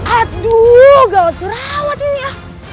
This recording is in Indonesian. aduh gawat surawat ini ya